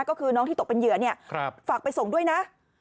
ก็คือน้องที่ตกเป็นเหยื่อเนี่ยฝากไปส่งด้วยนะ